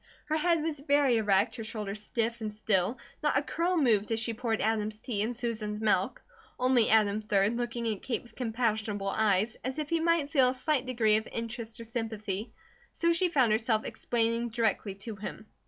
Her head was very erect, her shoulders stiff and still, not a curl moved as she poured Adam's tea and Susan's milk. Only Adam, 3d, looked at Kate with companionable eyes, as if he might feel a slight degree of interest or sympathy, so she found herself explaining directly to him.